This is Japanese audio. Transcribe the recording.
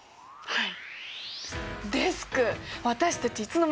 はい。